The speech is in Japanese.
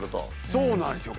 そうなんですよ。